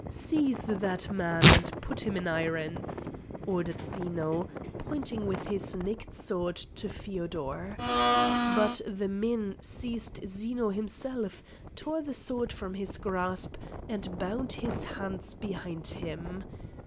"Seize that man and put him in irons!" ordered Zeno, pointing with his naked sword to Feodor. But the men seized Zeno himself, tore the sword from his grasp, and bound his hands behind him.